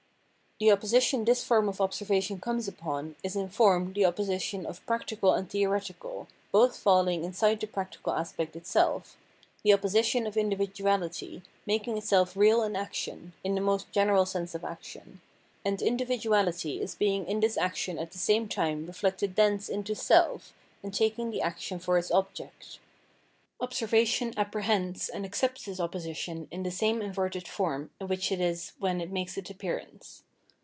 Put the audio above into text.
The opposition this form of observation comes upon is in form the opposition of practical and theoretical, both falling inside the practical aspect itself — the opposition of individuahty, making itself real in action (in the most general sense of action), and individuahty as being in this action at the same time reflected thence into self, and taking the action for its object. Observa tion apprehends and accepts this opposition in the 308 Phenomenology of Mind same inverted form in whicb. it is when it makes its appearance.